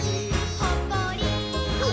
ほっこり。